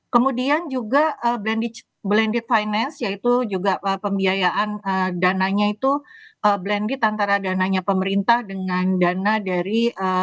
kemudian juga blended finance yaitu juga pembiayaan dananya itu blended antara dananya pemerintah dengan dana dari